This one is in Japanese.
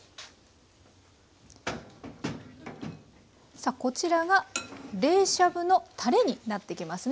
さあこちらが冷しゃぶのたれになってきますね。